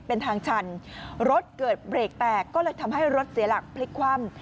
เป็นทางชันรถเกิดเบรกแตกก็เลยทำให้รถเสียหลักพลิกคว่ำ